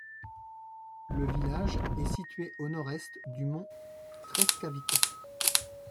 Le village est situé au nord-est du mont Treskavica.